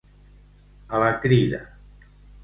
A la crida.